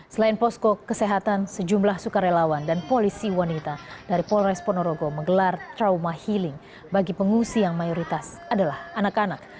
selain posko kesehatan sejumlah sukarelawan dan polisi wanita dari polres ponorogo menggelar trauma healing bagi pengungsi yang mayoritas adalah anak anak